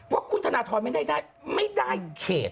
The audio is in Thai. ว่าคุณธนทรไม่ได้เขต